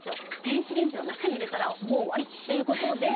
電子レンジの中に入れたらもう終わり！という事で。